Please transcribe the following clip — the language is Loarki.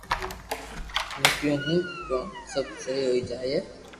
ھين ڪيو ھون ڪو سب سھي ھوئي جائي